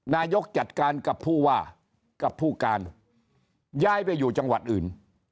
จัดการกับผู้ว่ากับผู้การย้ายไปอยู่จังหวัดอื่น